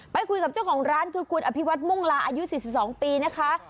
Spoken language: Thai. ไปคุยกับเจ้าของร้านคือคุณอภิวัตมุ่งลาอายุ๔๒ปีนะคะ